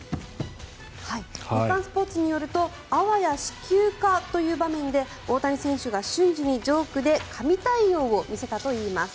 日刊スポーツによるとあわや死球かという場面で大谷選手が瞬時にジョークで神対応を見せたといいます。